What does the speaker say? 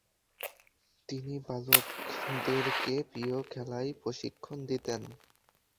তিনি বালকদেরকে প্রিয় খেলায় প্রশিক্ষণ দিতেন।